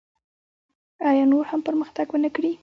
آیا نور هم پرمختګ ونکړي؟